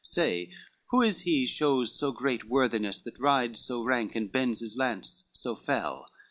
XVIII "Say, who is he shows so great worthiness, That rides so rank, and bends his lance so fell?"